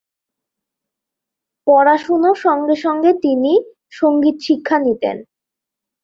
পড়াশুনো সঙ্গে সঙ্গে তিনি সঙ্গীত শিক্ষা নিতেন।